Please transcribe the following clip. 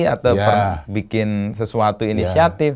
atau pernah bikin sesuatu inisiatif